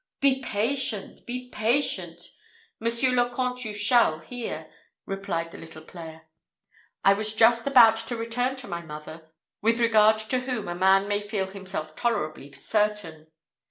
"Be patient! be patient! Monsieur le Comte, and you shall hear," replied the little player. "I was just about to return to my mother, with regard to whom a man may feel himself tolerably certain.